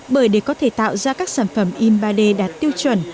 bởi để có thể tạo ra các sản phẩm in ba d đạt tiêu chuẩn